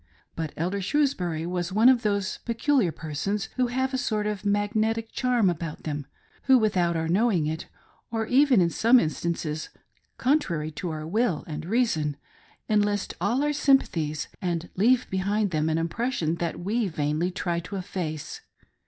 But Elder Shrewsbury was one of those peculiar persons who have a sort of magnetic charm about them, who without our knowing it, or even, in some instances, contrary to our will and reason, enlist all our sym pathies and leave behind them an impression that we vainly try to efface.